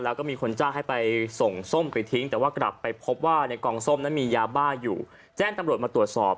แล้วก็มีคนจ้างให้ไปส่งส้มไปทิ้งแต่ว่ากลับไปพบว่าในกองส้มนั้นมียาบ้าอยู่แจ้งตำรวจมาตรวจสอบ